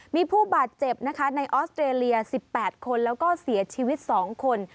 มีผู้บาดเจ็บนะคะในออสเตรเลีย๑๘คนแล้วก็เสียชีวิต๒คน